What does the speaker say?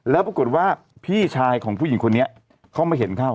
แล้วปรากฏว่าพี่ชายของผู้หญิงคนนี้เขามาเห็นเข้า